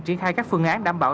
trí khai các phương án đảm bảo